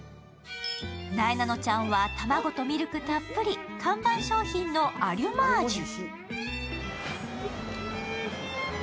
なえなのちゃんは、卵とＭミルクたっぷり、看板商品のアリュマージュ。